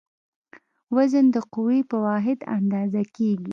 وزن د قوې په واحد اندازه کېږي.